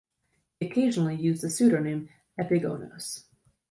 He occasionally used the pseudonym Epigonos.